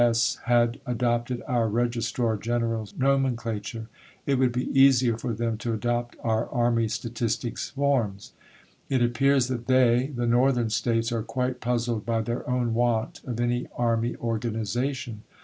S. had adopted our Registrar General's nomenclature, it would be easier for them to adopt our Army Statistics Forms. It appears that they, the Northern States, are quite puzzled by their own want of any Army organization.